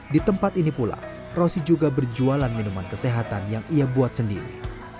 di tempat ini pula rosy juga berjualan minuman kesehatan yang ia buat sendiri